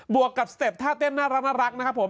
วกกับสเต็ปท่าเต้นน่ารักนะครับผม